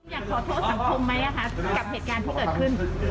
อยากขอโทษสังคมไหมคะกับเหตุการณ์ที่เกิดขึ้น